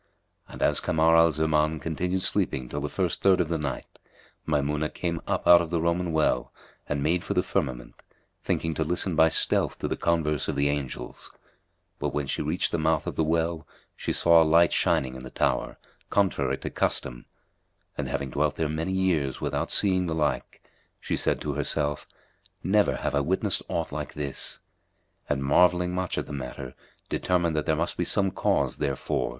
And as Kamar al Zaman continued sleeping till the first third of the night, Maymunah came up out of the Roman well and made for the firmament, thinking to listen by stealth to the converse of the angels; but when she reached the mouth of the well, she saw a light shining in the tower, contrary to custom; and having dwelt there many years without seeing the like, she said to herself, "Never have I witnessed aught like this"; and, marvelling much at the matter, determined that there must be some cause therefor.